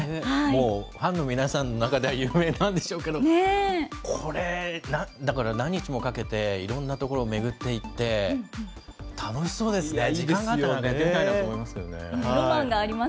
もうファンの皆さんの中では有名なんでしょうけど、これ、だから何日もかけて、いろんな所を巡っていって、楽しそうですね、時間があったらやってみたいなと思いますけどね。